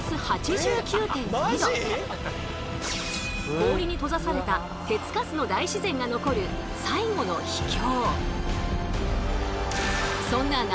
氷に閉ざされた手つかずの大自然が残る最後の秘境。